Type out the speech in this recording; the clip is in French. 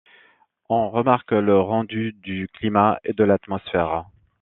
On remarque le rendu du climat et de l’atmosphère.